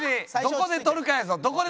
どこで取るかやぞ。